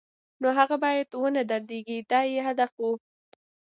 نو هغه باید و نه دردېږي دا یې هدف و.